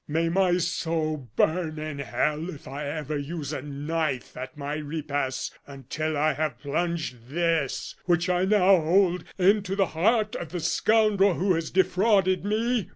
May my soul burn in hell if I ever use a knife at my repasts until I have plunged this, which I now hold, into the heart of the scoundrel who has defrauded me!"